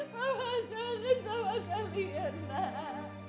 mama kangen sama kalian naha